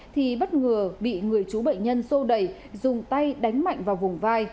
thì bất ngờ bị người chú bệnh nhân sô đẩy dùng tay đánh mạnh vào vùng vai